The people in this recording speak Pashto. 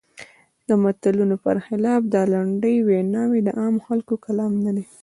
د متلونو پر خلاف دا لنډې ویناوی د عامو خلکو کلام نه دی.